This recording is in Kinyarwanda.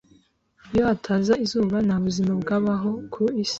Iyo hataba izuba, nta buzima bwabaho ku isi.